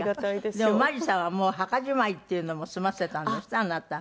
でもまりさんはもう墓じまいっていうのも済ませたんですって？